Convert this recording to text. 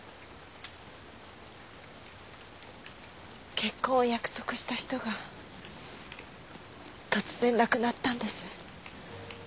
結婚を約束した人が突然亡くなったんです。